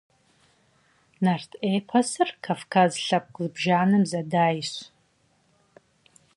Нарт эпосыр кавказ лъэпкъ зыбжанэм зэдайщ.